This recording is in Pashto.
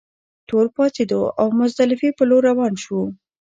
ټول پاڅېدو او مزدلفې پر لور روان شوو.